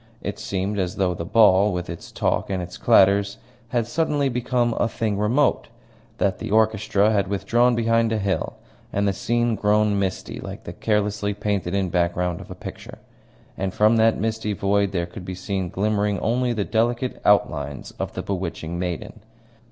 It seemed as though the ball, with its talk and its clatter, had suddenly become a thing remote that the orchestra had withdrawn behind a hill, and the scene grown misty, like the carelessly painted in background of a picture. And from that misty void there could be seen glimmering only the delicate outlines of the bewitching maiden.